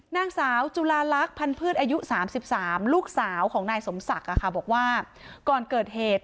นางสาวจุลาลักษณ์พันธ์พืชอายุ๓๓ลูกสาวของนายสมศักดิ์บอกว่าก่อนเกิดเหตุ